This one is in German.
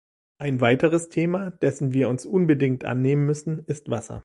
Ein weiteres Thema, dessen wir uns unbedingt annehmen müssen, ist Wasser.